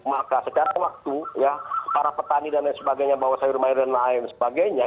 maka secara waktu ya para petani dan lain sebagainya bawa sayur mayur dan lain sebagainya